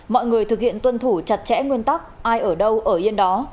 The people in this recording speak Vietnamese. mọi người thực hiện tuân thủ chặt chẽ nguyên tắc ai ở đâu ở yên đó